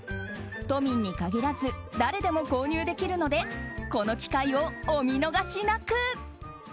都民に限らず誰でも購入できるのでこの機会をお見逃しなく！